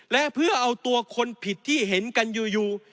และเพื่อเอาตัวคนผิดที่เห็นกันอยู่